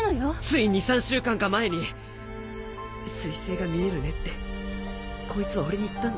つい２３週間か前に「彗星が見えるね」ってこいつは俺に言ったんです。